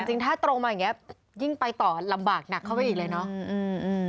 จริงถ้าตรงมาอย่างนี้ยิ่งไปต่อลำบากหนักเข้าไปอีกเลยเนาะ